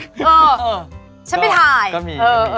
เออฉันไปถ่ายก็มี